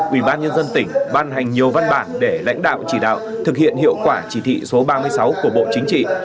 ubnd tỉnh ban hành nhiều văn bản để lãnh đạo chỉ đạo thực hiện hiệu quả chỉ thị số ba mươi sáu của bộ chính trị